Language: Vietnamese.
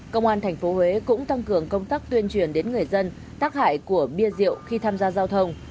công an tp huế cũng tăng cường công tác tuyên truyền đến người dân tác hại của bia rượu khi tham gia giao thông